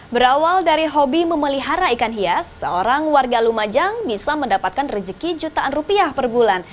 berawal dari hobi memelihara ikan hias seorang warga lumajang bisa mendapatkan rezeki jutaan rupiah per bulan